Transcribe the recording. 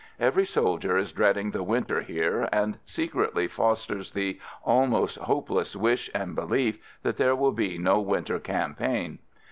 Every soldier is dreading the winter here and secretly fosters the almost hopeless wish and belief that there will be no winter campaign.